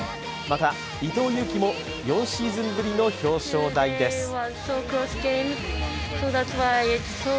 また、伊藤有希も４シーズンぶりの表彰台です。